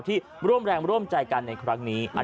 ที่ร่วมแรงร่วมใจกันในครั้งนี้